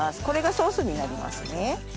これがソースになりますね。